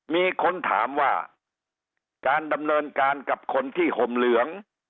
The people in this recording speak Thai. มีคนถามว่าการดำเนินการกับคนที่ห่มเหลือง